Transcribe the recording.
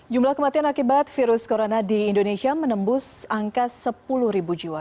jumlah kematian akibat virus corona di indonesia menembus angka sepuluh jiwa